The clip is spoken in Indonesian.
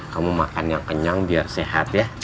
kamu makan yang kenyang biar sehat ya